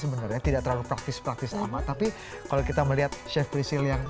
bener ya tidak terlalu praktis praktis lama tapi kalau kita melihat chef priscil yang